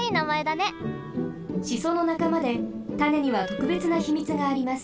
シソのなかまでたねにはとくべつなひみつがあります。